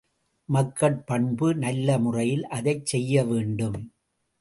மக்கட் பண்பு நல்ல முறையில் அதைச் செய்யவேண்டும்.